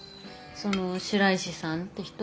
その白石さんって人。